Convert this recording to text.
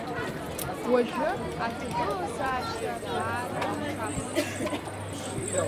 Уажәы аҭагылазаашьа даара аҽаԥсахт.